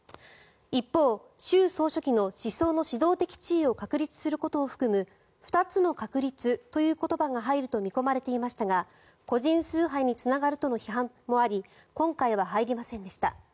一方、習総書記の思想の指導的地位を確立することを含む二つの確立という言葉が入ると見込まれていましたが個人崇拝につながるとの批判もあり今回は入りませんでした。